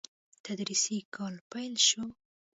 تدريسي کال پيل شو.